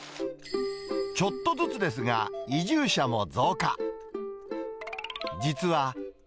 ちょっとずつですが、移住者も増加。